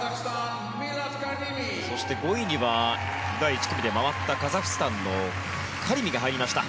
そして５位には第１組で回ったカザフスタンのカリミが入りました。